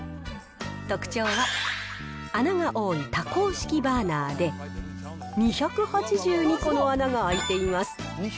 特徴は、穴が多い多孔式バーナーで、２８２個の穴が開いています。